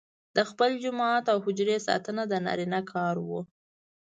د خپل جومات او حجرې ساتنه د نارینه کار وو.